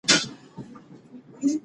د همکارۍ فضاء جوړول ټولنه پیاوړې کوي.